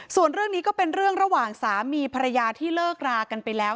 ส่วนเรื่องนี้ก็เป็นเรื่องระหว่างสามีภรรยาที่เลิกรากันไปแล้ว